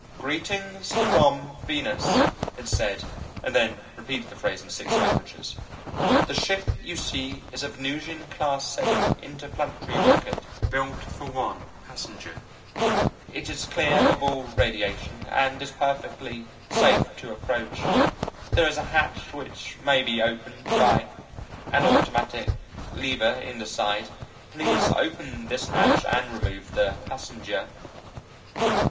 "Greetings from Venus," it said, and then repeated the phrase in six languages. "The ship you see is a Venusian Class 7 interplanetary rocket, built for one passenger. It is clear of all radiation, and is perfectly safe to approach. There is a hatch which may be opened by an automatic lever in the side. Please open this hatch and remove the passenger."